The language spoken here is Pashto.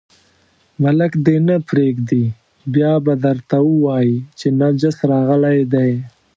ملک دې نه پرېږدي، بیا به درته وایي چې نجس راغلی دی.